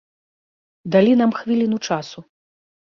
Далі нам хвіліну часу.